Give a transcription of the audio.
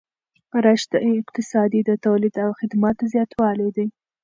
رشد اقتصادي د تولید او خدماتو زیاتوالی دی.